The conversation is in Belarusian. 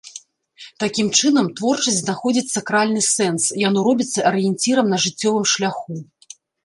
Такім чынам, творчасць знаходзіць сакральны сэнс, яно робіцца арыенцірам на жыццёвым шляху.